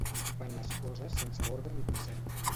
Fan les coses sense ordre ni concert.